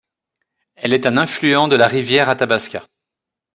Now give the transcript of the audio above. Elle est un affluent de la rivière Athabasca.